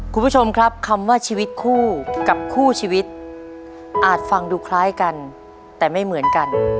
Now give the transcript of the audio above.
คุณผู้ชมครับคำว่าชีวิตคู่กับคู่ชีวิตอาจฟังดูคล้ายกันแต่ไม่เหมือนกัน